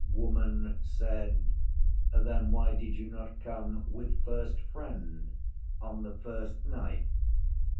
Woman said, 'Then why did you not come with First Friend on the first night?